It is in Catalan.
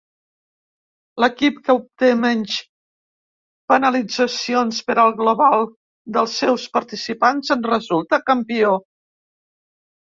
L'equip que obté menys penalitzacions per al global dels seus participants en resulta campió.